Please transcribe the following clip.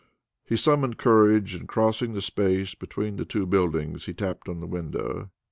He summoned courage, and crossing the space between the two buildings, he tapped on the window.